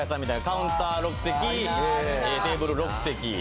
カウンター６席テーブル６席。